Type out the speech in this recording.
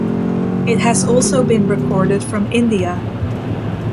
It has also been recorded from India.